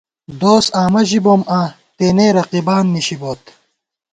دوس آمہ ژِبوم آں ، تېنے رقیبان نِشِبوت